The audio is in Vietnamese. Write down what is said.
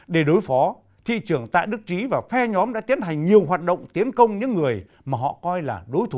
để đối phó thị trưởng tạ đức trí và phe nhóm đã tiến hành nhiều hoạt động tiến công những người mà họ coi là đối thủ